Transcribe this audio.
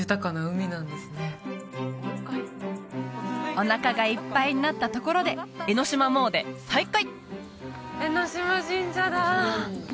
おなかがいっぱいになったところで江の島詣再開！